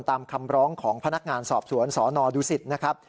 ตามคำร้องของพนักงานสอบสวนสนดูสิตนะครับ